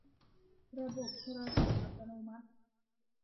ระบบโทรศัพท์อัตโนมัติ